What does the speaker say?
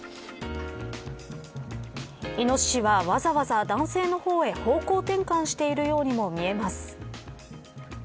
イノシシは、わざわざ男性の方へ方向転換しているようにも見えます。